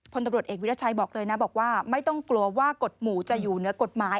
พลตำรวจเอกวิรัชัยบอกเลยนะบอกว่าไม่ต้องกลัวว่ากฎหมู่จะอยู่เหนือกฎหมาย